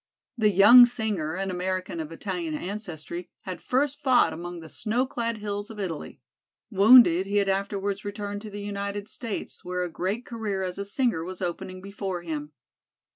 The young singer, an American of Italian ancestry, had first fought among the snow clad hills of Italy. Wounded, he had afterwards returned to the United States, where a great career as a singer was opening before him.